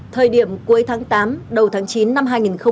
thời điểm cuối tháng tám đầu tháng chín năm hai nghìn hai mươi hai